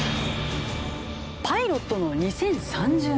パイロットの２０３０年問題。